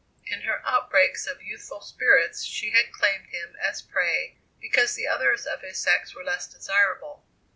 In her outbreaks of youthful spirits she had claimed him as prey because the others of his sex were less desirable.